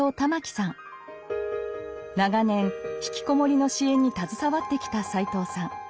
長年引きこもりの支援に携わってきた斎藤さん。